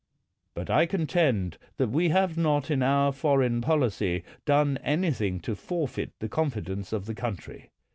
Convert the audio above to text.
But I contend that we have not in our foreign policy done anything to forfeit the confidence of the country.